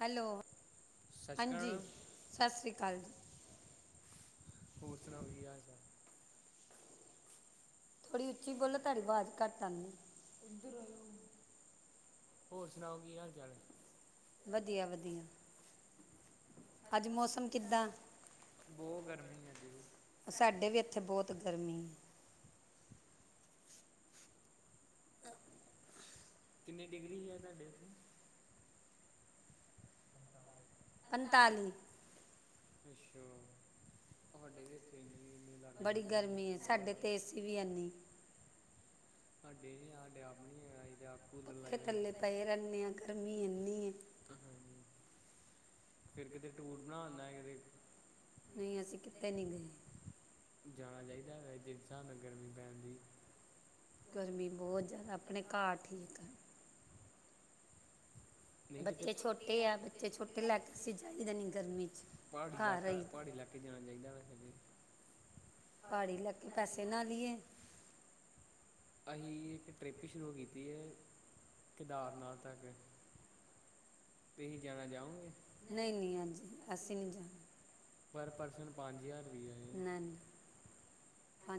Hello ਸਤਿ ਸ਼੍ਰੀ ਹਾਂਜੀ ਅਕਾਲ ਸਤਿ ਸ਼੍ਰੀ ਅਕਾਲ ਜੀ। ਹੋਰ ਸੁਣਾਓ ਕੀ ਹਾਲ ਚਾਲ? ਥੋੜ੍ਹੀ ਉੱਚੀ ਬੋਲੋਹਾਡੀ ਆਵਾਜ਼ ਘੱਟ ਆਉਂਦੀ। ਹੋਰ ਸੁਣਾਓ ਕੀ ਹਾਲ ਚਾਲ ਹੈ। ਵਧੀਆ, ਵਧੀਆ ਅੱਜ ਮੌਸਮ ਕਿੱਦਾਂ? ਬਹੁਤ ਗਰਮੀ ਆਜ ਸਾਡੇ ਵੀ ਇੱਥੇ ਬਹੁਤ ਗਰਮੀ ਏ। ਕਿੰਨੀ ਡਿਗਰੀ ਹੈ ਤੁਹਾਡੇ ਉੱਥੇ ਪੰਤਾਲੀ ਪੰਤਾਲੀ ਅੱਛਾ ਤੁਹਾਡੇ ਵੀ ਏਥੇ ਵੀ ਐਣਾ ਬੜੀ ਗਰਮੀ ਹੈ, ਸਾਡੇ ਤੇ ਏਸੀ ਵੀ ਹੈਨੀ। ਸਾਡੇ ਨੀ ਸਾਡੇ ਆਪ ਨੀ ਹੈਗਾ ਅਸੀਂ ਤੇ ਆਪ ਕੂਲਰ ਉੱਥੇ ਲਾਈ ਦਾ ਥੱਲੇ ਪਏ ਰਹਿੰਦੇ ਆਾਂ ਗਰਮੀ ਏਨੀ ਐ। ਤਾਂ ਹਾਂਜੀ। ਫੇਰ ਕਿਤੇ ਟੂਰ ਬਣਾ ਆਂ ਕਿਤੇ ਨਹੀਂ ਅਸੀਂ ਕਿਤੇ ਨਹੀਂ ਗਏ। ਜਾਣਾ ਚਾਹੀਦਾ ਵੇਸੇ ਜਿਸ ਹਿਸਾਬ ਨਾਲ ਗਰਮੀ ਪੈਣ ਡਈ। ਗਰਮੀ ਬਹੁਤ ਜ਼ਿਆਦਾ ਆਪਣੇ ਘਰ ਠੀਕ ਆ। ਨਹੀਂ ਕਿਤੇ ਬੱਚੇ ਛੋਟੇ ਆ ਬੱਚੇ ਛੋਟੇ ਲੈ ਕੇ ਅਸੀਂ ਜਾਈਦਾ ਨਹੀਂ ਗਰਮੀ 'ਚ ਪਾੜੀ ਘਰ ਇਲਾਕਾ, ਰਹੀ ਪਾੜੀ ਇਲਾਕਾ ਕਿਤੇ ਜਾਣਾ ਚਾਹੀਦਾ ਵੈਸੇ ਤੇ ਪਹਾੜੀ ਇਲਾਕੇ ਪੈਸੇ ਨਾਲ ਈ ਏ। ਅਸੀਂ ਇੱਕ ਟਰਿੱਪ ਸ਼ੁਰੂ ਕੀਤੀ ਏ। ਕੇਦਾਰਨਾਥ ਹੈਗਾ। ਤੁਸੀਂ ਜਾਣਾ ਚਾਹੋਗੇ। ਨਹੀਂ ਨਹੀਂ ਹਾਂਜੀ ਅਸੀਂ ਨਹੀਂ ਜਾਣਾ ਪਰ ਪਰਸਨ ਪੰਜ ਹਜ਼ਾਰ ਰੁਪਈਆ ਐ। ਹ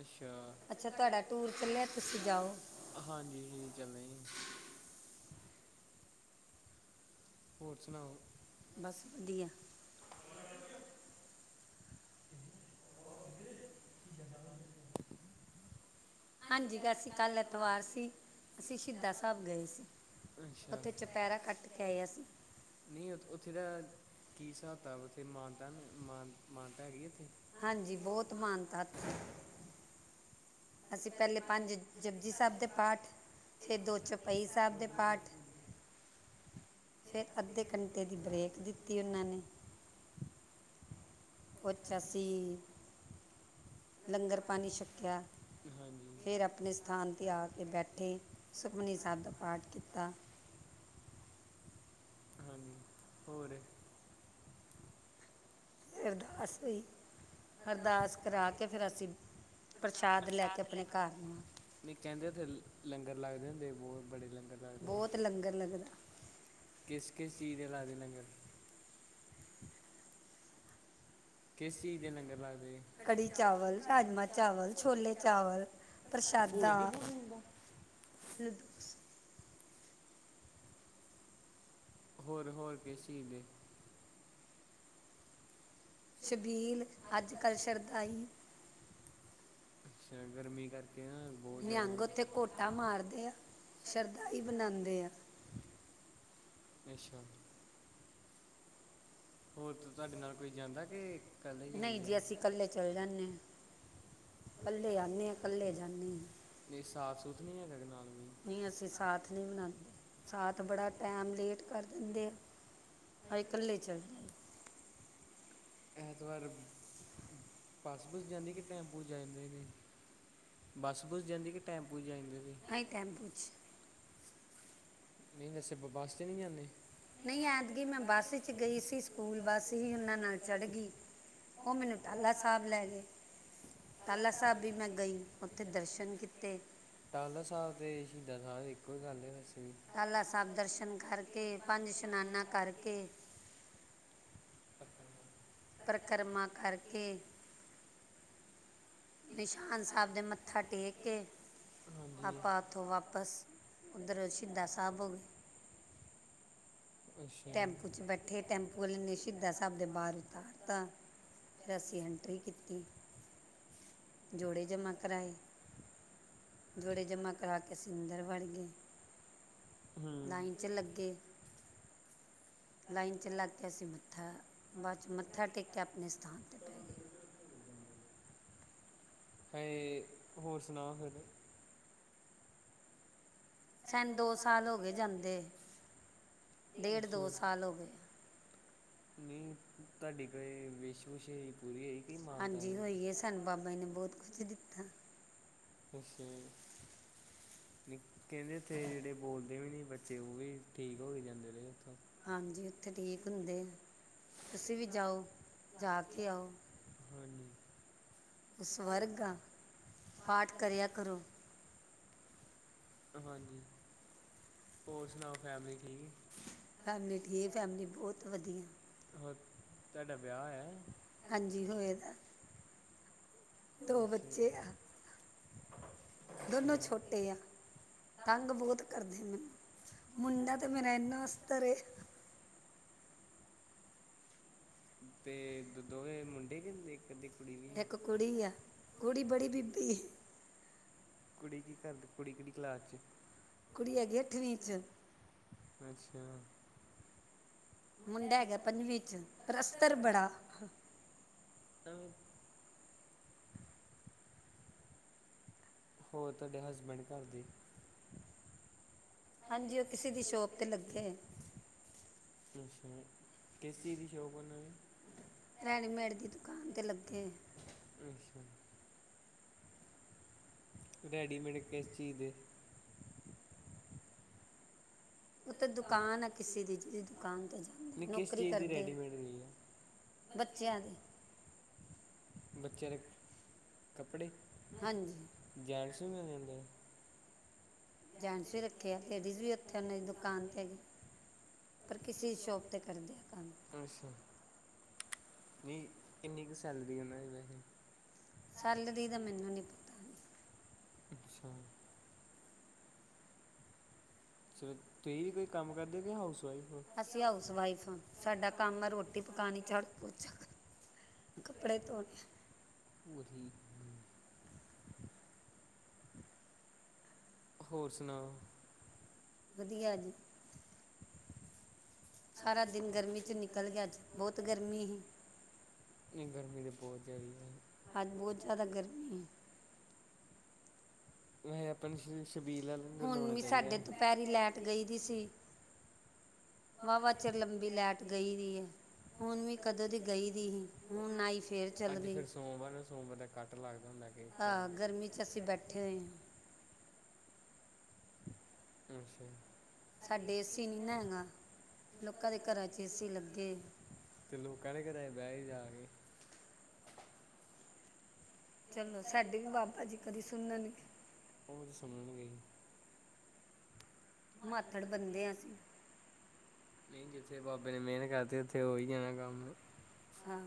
ਅੱਛਾ ਅੱਛਾ ਤੁਹਾਡਾ ਟੂਰ ਚੱਲਿਆ ਤੁਸੀਂ ਜਾਓ ਹਾਂਜੀ ਚੱਲੇ ਹੋਰ ਸੁਣਾਓ ਬਸ ਵਧੀਆ ਹਾਂਜੀ ਅਸੀਂ ਕੱਲ੍ਹ ਐਤਵਾਰ ਸੀ ਅਸੀਂ ਸ਼ਹੀਦਾ ਸਾਹਿਬ ਗਏ ਸੀ ਅੱਛਾ ਉੱਥੇ ਚਪਹਿਰਾ ਕੱਟ ਕੇ ਆਇਆ ਸੀ ਨਹੀਂ ਉ ਉੱਥੇ ਦਾ ਕੀ ਹਿਸਾਬਤਾ ਉੱਥੇ ਮਾਨਤਾ ਮਾਨ ਮਾਨਤਾ ਹੈਗੀ ਉੱਥੇ ਹਾਂਜੀ ਬਹੁਤ ਮਾਨਤਾ ਥੇ ਅਸੀਂ ਪਹਿਲੇ ਪੰਜ ਜਬਜੀ ਸਾਹਿਬ ਦੇ ਪਾਠ ਫਿਰ ਦੋ ਚੌਪਈ ਸਾਹਿਬ ਦੇ ਪਾਠ ਫੇਰ ਅੱਧੇ ਘੰਟੇ ਦੀ ਬਰੇੇਕ ਦਿੱਤੀ ਉਹਨਾਂ ਨੇ ਪੋਚਾਸੀ ਲੰਗਰ ਪਾਣੀ ਛੱਕਿਆ ਹਾਂਜੀ ਫਿਰ ਆਪਣੇ ਸਥਾਨ 'ਤੇ ਆ ਕੇ ਬੈਠੇ ਸੁਖਮਨੀ ਸਾਹਿਬ ਦਾ ਪਾਠ ਕੀਤਾ। ਹਾਂਜੀ ਹੋਰ। ਅਰਦਾਸ ਹੋ ਅਰਦਾਸ ਕਰਾ ਕੇ ਫਿਰਿਰ ਅਸੀਂ ਪ੍ਰਸ਼ਾਦ ਲੈ ਕੇ ਆਪਣੇ ਘਰ ਨੂੰ ਆ ਨਿੱਕੇ ਹੁੰਦੇ ਉੱਥੇ ਲੰਗਰ ਲੱਗਦੇ ਹੁੰ ਬਹੁਤ ਬੜੇ ਲੰਰ ਬਹੁਤ ਲੰਗਰ ਲੱਗਦਾ ਕਿਸ ਕਿਸ ਚੀਜ਼ ਦੇ ਲਾਦੇ ਲੰਗਰ ਕਿਸ ਚੀਜ਼ ਦੇ ਲੰਗਰ ਲੱਗਦੇ ਕੜ੍ਹੀ ਚਾਵਲ ਰਾਜਮ ਚਾਵਲ ਛੋਲੇ ਚਾਵਲ ਪ੍ਰਸ਼ਾਦਾ ਭੂਲੇ ਨੀ [inaudible] ਹ ਹੋਰ ਹੋਰ ਕਿਸ ਚਹੀਦੇ ਸ਼ਬੀਲ ਅੱਜ ਕੱਲ੍ਹ ਸ਼ਰਧਾਈ ਅੱਛਾ ਗਰਮੀ ਕਰਕੇ ਆ ਨਿਹੰਗ ਉੱਥੇ ਘੋਟਾ ਮਾਰਦੇ ਆ ਸ਼ਰਧਾ ਹੀ ਬਣਾਉਂਦੇ ਆ ਅੱਛਾ ਹੋਰ ਤਾਂ ਤੁਹਾਡੇ ਨਾਲ ਕੋਈ ਜਾਂਦਾ ਕਿ ਇਕੱਲੇ ਨਹੀਂ ਜਾਂਦੇ ਜੀ ਅਸੀਂ ਇਕੱਲੇ ਚਲੇ ਜਾਂਦੇ ਹਾਂ ਇਕੱਲੇ ਜਾਂਦੇ ਹਾਂ ਇਕੱਲੇ ਜਾਂਦੇ ਹਾਂ ਨਹੀਂ ਸਾਫ਼ ਸੁਥ ਨਹੀਂ ਹੈਗਾ ਨਾਲ ਮ ਨਹੀਂ ਅਸੀਂ ਸਾਥ ਨਹੀਂ ਬਣਾਉਂਦੇ ਸਾਥ ਬੜਾ ਟਾਈਮ ਲੇਟ ਕਰ ਦਿੰਦੇ ਆ ਆਈ ਕਲੇ ਚ ਐਤਵਾਰ ਬੱਸ ਪੁਜ ਜਾਂਦੀ ਕਿ ਟੈਂਪੂ ਜਾਂਦੇ ਨੇ ਬੱਸ ਬੁੱਸ ਜਾਂਦੀ ਕਿ ਟੈਂਪੂ ਜਾਂਦੇ ਵੀ ਆਂ ਟੈਂਪੂ ' ਨਹੀਂ ਵੈਸੇ ਵੱਸ ਨਹੀਂ ਜਾਂਦੇ ਨਹੀਂ ਐਤਗੀ ਮੈਂ ਬੱਸ ਵਿੱਚ ਗਈ ਸੀ ਸਕੂਲ ਬੱਸ ਹੀ ਉਹਨਾਂ ਨਾਲ ਚੜ੍ਹ ਗਈ ਉਹ ਮੈਨੂੰ ਟਲਾ ਸਾਬ ਲੈ ਗਏ ਤਾਲਾ ਸਾਹਿਬ ਵੀ ਮੈਂ ਗਈ ਉੱਥੇ ਦਰਸ਼ਨ ਕੀਤੇ ਟਾਹਰ ਸਾਹਿਬ ਤੇ ਸ਼ਹੀਦਾਂ ਸਾ ਇੱਕੋ ਹੀ ਗੱਲ ਹੈ ਵੈਸੇ ਵੀ ਲਾਲਾ ਸਾਹਿਬ ਦਰਸ਼ਨ ਕਰਕੇ ਪੰਜ ਇਸ਼ਨਾਨਾ ਕਰਕੇ ਪਤਰ ਪਰਿਕਰਮਾ ਕਰਕੇ ਨਿਸ਼ਾਨ ਸਾਹਿਬ ਦੇ ਮੱਥਾ ਟੇਕ ਕੇ ਹਾਂਜੀ ਆਪਾਂ ਉੱਥੋਂ ਵਾਪਸ ਉੱਧਰ ਸ਼ਹੀਦਾ ਸਾਹਿਬ ਹੋ ਗਏ ਅੱਛਾ ਟੈਂਮਪੂ ਚ ਬੈਠੇ ਟੈਂਪੂ ਵਾਲੇ ਸਿੱਧਾ ਸ਼ਬਦ ਬਾਹਰ ਉਤਾਰਤਾ ਫਿਰ ਅਸੀਂ ਐਂਟਰੀ ਕੀਤੀ ਜੋੜੇ ਜਮਾ ਕਰਾਏ ਜੋੜੇ ਜਮਾ ਕਰਾ ਕੇ ਅਸੀਂ ਅੰਦਰ ਬੜ ਅਗੇ ਹੂੰ ਲਾਈਨ ਚ ਲੱਗੇ ਲਾਈਨ ਚ ਲੱਗ ਕੇ ਅਸੀਂ ਮੱਥਾ ਬਾਅਦ ਚ ਮੱਥਾ ਟੇਕ ਕੇ ਆਪਣੇ ਸਥਾਨ ਤੇ ਪੈ ਗਏ ਹੈ ਹੋਰ ਸੁਣਾਓ ਫਿਰ ਸਨ ਦੋ ਸਾਲ ਹੋ ਗਏ ਜਾਂਦੇ ਡੇਢ ਦੋ ਸਾਲ ਹੋ ਗਏ ਨਹੀਂ ਤੁਹਾਡੀੇ ਕੋਈ ਵਿੇਸ਼ਵੂਸ਼ੇ ਪੂਰੀ ਹੋ ਕਿ ਮਾਂ ਹਾਂਜੀ ਹੋਈ ਹੈ ਸਾਨੂੰ ਬਾਬਾ ਨੇ ਬਹੁਤ ਕੁਛ ਦਿੱਤਾ ਖੁਸ਼ੀ ਨ ਕਹਿੰਦੇ ਇੱਥੇ ਜਿਹੜੇ ਬੋਲਦੇ ਵੀ ਨੀ ਬੱਚੇ ਉਹ ਵੀ ਠੀਕ ਹੋ ਕੇ ਜਾਂਦੇ ਰਹੇ ਉਥੋਂ ਹਾਂਜੀ ਉੱਥੇ ਠੀਕ ਹੁੰਦੇ ਤੁਸੀਂ ਵੀ ਜਾਓ ਜਾ ਕੇ ਆਓ ਹਾਂਜੀ ਉਸ ਵਰਗ ਦਾ ਪਾਠ ਕਰਿਆ ਕਰੋ ਹਾਂਜੀ ਹੋਰ ਸੁਣਾਓ ਫੈਮਲੀ ਠੀਕ ਫੈਮਲੀ ਠੀਕ ਫੈਮਲੀ ਬਹੁਤ ਵਧੀਆ ਹੋ ਤੁਹਾਡਾ ਵਿਆਹ ਹੋਇਆ ਹਾਂਜੀ ਹੋਏਗਾ ਦੋ ਅੱਛਾ ਬੱਚੇ ਆ ਦੋਨੋਂ ਅੱਛਾ ਛੋਟੇ ਆ ਤੰਗ ਬਹੁਤ ਕਰਦੇ ਮੈਨੂੰ ਮੁੰਡਾ ਤੇ ਮੇਰਾ ਇਨਾ ਤਰੇ ਤੇ ਦੋਵੇ ਮੁੰਡੇ ਹੁੰਦੇ ਇੱਕ ਅੱਧੀ ਕੁੜੀ ਵੀ ਇੱਕ ਕੁੜੀ ਆ ਕੁੜੀ ਬੜੀ ਬੀਬੀ ਕੁੜੀ ਕੀ ਕਰਦੀ ਕੁੜੀ ਕਿਹੜੀ ਕਲਾਸ ਚ ਕੁੜੀ ਹੈਗੀ ਆ ਅੱਠਵੀਂ ਚ ਅੱਛਾ ਮੁੰਡਾ ਹੈਗਾ ਪੰਜਵੀਂ ਚ ਪਰ ਅਸਤਰ ਬੜਾ ਤਾਂ ਹੋਰ ਤੁਹਾਡੇ ਹਸਬੈਂਡ ਘਰ ਦੀ ਹਾਂਜੀ ਉਹ ਕਿਸੇ ਦੀ ਸ਼ੋਪ ਤੇ ਲੱਗੇ ਹੈ ਅੱਛਾ ਕਿਸ ਚੀਜ਼ ਦੀ ਸ਼ੋਪ ਹੈ ਉਹਨਾਂ ਦੀ ਰੈਡੀਮੇਡ ਦੀ ਦੁਕਾਨ 'ਤੇ ਲੱਗੇ ਅੱਛਾ ਰੈਡੀਮੇਟ ਕਿਸੇ ਚੀਜ਼ ਦੇ ਉਹ ਤਾਂ ਦੁਕਾਨ ਆ ਕਿਸੇ ਦੀ ਦੁਕਾਨ ਤੇ ਨਹੀਂ ਜਾਂਦੇ ਕਿਸ ਨੌਕਰੀ ਚੀਜ਼ ਦੀ ਕਰਦੇ ਰੈਡੀਮੇਡ ਦੀ ਆ ਬੱਚਿਆਂ ਦੇ ਬੱਚੇ ਦੇ ਕੱਪੜੇ ਹਾਂਜੀ ਜੈਂਟਸ ਵੀ ਮਿਲ ਜਾਂਦੇ ਜੈਟਸ ਵੀ ਰੱਖੇ ਆ ਲੈਡੀਜ ਤੇ ਵੀ ਰੱਖੇ ਉਨੇ ਦੁਕਾਨ ਤੇ ਪਰ ਕਿਸੇ ਸ਼ੋਪ ਤੇ ਕਰਦੇ ਆ ਕੰਮ ਅੱਛਾ ਨਹੀਂ ਵੀ ਕਿੰਨੀ ਕੁ ਸੈਲਰੀ ਉਹਨਾਂ ਦੀ ਵੈਸੇ ਸੈਲਰੀ ਦੀ ਤਾਂ ਮੈਨੂੰ ਨੀ ਪਤਾ ਅੱਛਾ ਚੋ ਤੁਸੀਂ ਵੀ ਕੋਈ ਕੰਮ ਕਰਦੇ ਕਿ ਹਾਊਸ ਵਾਈਫ ਹੋ ਅਸੀਂ ਹਾਊਸ ਵਾਈਫ ਹੈ ਸਾਡਾ ਕੰਮ ਰੋਟੀ ਪਕਾਣੀ ਝਾੜੂ ਪੋਚਾ ਕਰਨਾ ਕੱਪੜੇ ਧੋਣੇ ਭੂਤਣੀ ਹੋਰ ਸੁਣਾ ਵਧੀਆ ਜੀ। ਸਾਰਾ ਦਿਨ ਗਰਮੀ ਚ ਨਿਕਲ ਗਿਆ ਅੱਜ, ਬੌਤ ਗਰਮੀ ਹੀ। ਨ੍ਹੀਂ ਗਰਮੀ ਤੇ ਬੌਤ ਜੈਦਾ ਈ ਐ। ਅੱਜ ਬੌਤ ਜੈਦਾ ਗਰਮੀ ਏ। ਮੈਂ ਅਪਣੀ ਸ਼ ਸ਼ਬੀਰ ਲਾਲੋ ਹੁਣ ਵੀ ਸਾਡੇ ਦੁਪੈਰੀ ਲੈਟ ਗਈ ਦੀ ਸੀ। ਵਾਹਵਾ ਚਿਰ ਲੰਬੀ ਲੈਟ ਗਈ ਦੀ ਏ। ਹੁਣ ਵੀ ਕਦੋਂ ਦੀ ਗਈ ਦੀ ਹੀ ਹੁਣ ਆਈ ਫੇਰ ਚੱਲ ਅੱਜ ਗਈ। ਫਿਰ ਸੋਮਵਾਰ ਨੂੰ ਸੋਮਵਾਰ ਦਾ ਕੱਟ ਲੱਗਦਾ ਹੁੰਦੈ। ਅਹ ਗਰਮੀ ਚ ਅਸੀਂ ਬੈਠੇ ਹੋਏ ਆਂ। ਅੱਛਾ। ਸਾਡੇ ਏਸੀ ਨੀ ਨਾ ਹੈਂਗਾ, ਲੋਕਾਂ ਦੇ ਘਰਾਂ ਚ ਏਸੀ ਲੱਗੇ। ਤੇ ਲੋਕਾ ਦੇ ਘਰਾਂ ਚ ਬੈਜੋ ਜਾ ਕੇ। ਚਲੋ ਸਾਡੇ ਵੀ ਬਾਬਾ ਜੀ ਕਦੀ ਸੁਣਨਗੇ ਉਹ ਸੁਣਨਗੇ ਮਾਥੜ ਬੰਦੇ ਆ ਸੀ ਨਹੀਂ ਜਿੱਥੇ ਬਾਬੇ ਨੇ ਮੇਨ ਉੱਥੇ ਹੋ ਹੀ ਜਾਣਾ ਕੰਮ ਹਾਂ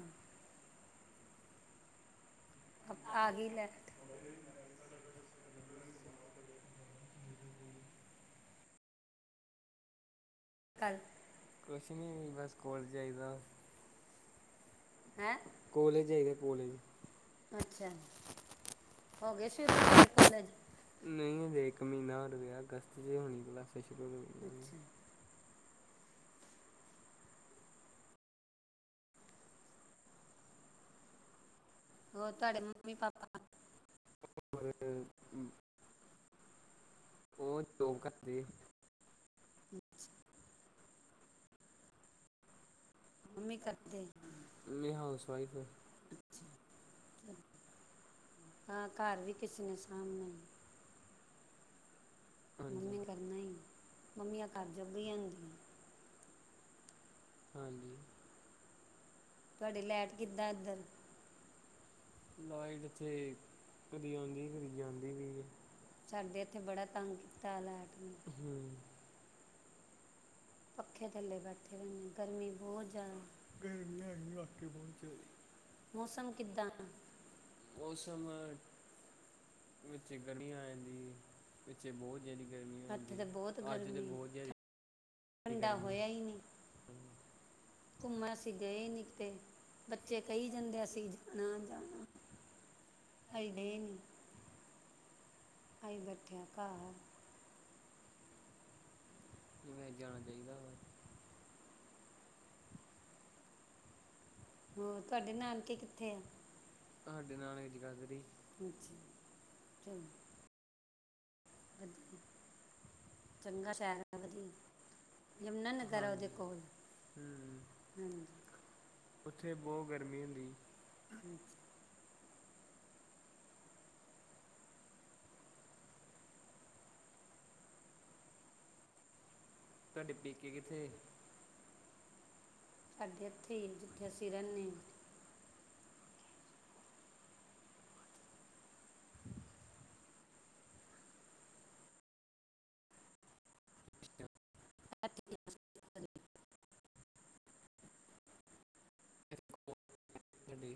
ਅਬ ਆ ਗਈ ਲਾਈਟ ਕੱਲ। ਕੁਛ ਨਹੀਂ ਬਸ ਕੋਲ ਜਾਈਦਾ। ਹੈ ਕੋਲੇਜ ਜਈਦਾ ਕੋਲ ਅੱਛਾ, ਹੋ ਗੇ ਸ਼ੁਰੂ ਤੁਹਾਡੇ ਕੋਲੇਜ? ਨਹੀਂ ਹਜੇ ਇੱਕ ਮੀਨਾ ਹੋਰ ਪਿਆ ਅਗਸਤ 'ਚ ਹੋਣੀ ਕਲਾਸਾਂ ਸ਼ੁਰੂ ਵੀ। ਅੱਛਾ। ਹੋਰ ਤੁਹਾਡੇ ਮੰਮੀ ਪਾਪਾ [unintelligible] ਓਹ ਜੋਬ ਕਰਦੀ ਏ। ਅੱਛਾ। ਮੰਮੀ ਕਰਦੇ ਮੱਮੀ ਹਾਊਸ ਵਾਈਫ। ਹਾਂ, ਘਰ ਵੀ ਕਿਸੀ ਨੇ ਸਾਹਮਣਾ ਈ। ਹਾਂਜੀ। ਮੰਮੀ ਨੇ ਕਰਨਾ ਈ ਮੰਮੀਆਂ ਘਰ ਜੋਗੀਆ ਹੂੰਦੀਆਂ। ਹਾਂਜੀ। ਤੁਹਾਡੀ ਲੈਟ ਕਿੱਦਾਂ ਐਧਰ? ਲਾਈਟ ਇੱਥੇ ਕਦੀ ਆੰਦੀ ਕਦੀ ਜਾਂਦੀ ਪਈ ਏ। ਸਾਡੇ ਇੱਥੇ ਬੜਾ ਤੰਗ ਕੀਤਾ ਲੈਟ ਨੇ। ਹੂੰ। ਪੱਖੇ ਥੱਲੇ ਬੈਠੇ ਰੈਣੇ ਆਂ, ਗਰਮੀ ਬੋਤ ਜੈਦਾ। ਗਰਮੀ ਹੈਗੀ ਏ ਵਾਕੇ ਬੌਤ ਜ਼ੈਦੀ। ਮੌਸਮ ਕਿੱਦਾਂ? ਮੌਸਮ, ਵਿੱਚੇ ਗਰਮੀ ਆ ਜਾਂਦੀ ਏ, ਵਿੱਚੇ ਬੌ ਜੈਦੀ ਗਰਮੀ ਹੋ ਜਾਂਦੀ ਇੱਥੇ ਤੇ ਏ, ਬਹੁਤ ਅੱਜ ਤੇ ਗਰਮੀ ਬੌਤ ਜੈਦੀ ਠੰਡਾ ਹੋਯਾ ਈ ਨੀ, ਘੁੰਮਣ ਅਸੀ ਗਏ ਨੀ ਕਿਤੇ। ਬੱਚੇ ਕਹੀ ਜਾਂਦੇ ਅਸੀ ਜਾਣਾ ਜਾਣਾ, ਹਜ ਡੇ ਨੀ। ਆਈ ਬੈਠਿਆ ਘਾਰ। ਕਿਵੇ ਜਾਣਾ ਚਾਹੀਦਾ ਵਾ। ਹੋਰ, ਤੁਹਾਡੇ ਨਾਨਕੇ ਕਿੱਥੇ ਆ? ਤਹਾਡੇ ਨਾਨਕੇ ਜਗਾਧਰੀ। ਅੱਛਾ, ਚਲੋ। ਵਧੀਐ, ਚੰਗਾ ਸੈ਼ਰ ਹੈ ਵਧੀਆ ਯਮਨਾ ਨ ਕਰੈ ਔਦੇ ਹਾਂਜੀ ਕੋਲ, ਹੂੰ ਹਾਂਜੀ। ਉੱਥੇ ਬੌਹ ਗਰਮੀ ਹੁੰਦੀ। [inaudible] ਤੁਹਾਡੇ ਪੇਕੇ ਕਿੱਥੇ? ਏਤੇ ਇਥੇ ਹੀ ਏ ਜਿੱਥੇ ਅਸੀਂ ਰਹਿਨੇ ਆ। ਇਥੇ ਹੀ ਆ। ਸਾਡੀ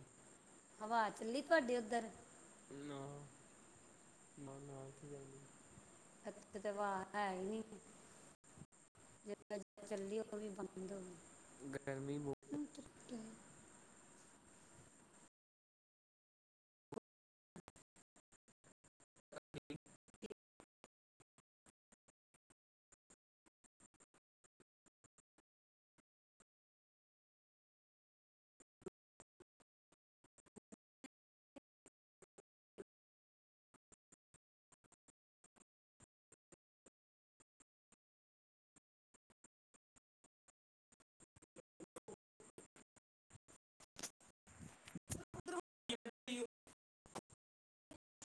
ਹਵਾ ਚੱਲੀ ਤੁਹਾਡੇ ਉੱਧਰ? [unintelligible] ਇੱਥੇ ਤਾਂ ਹਵਾ ਹੈ ਹੀ ਨੀ। ਫ਼ੇਰ ਚੱਲੀ ਉਹ ਵੀ ਬੰਦ ਹੋ ਗਈ। ਗਰਮੀ ਬਹੁ [inaudible] [unintelligible]